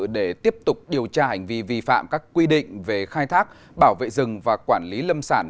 để tiếp tục điều tra hành vi vi phạm các quy định về khai thác bảo vệ rừng và quản lý lâm sản